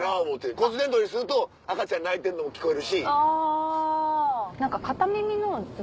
骨伝導にすると赤ちゃん泣いてるのも聞こえるし。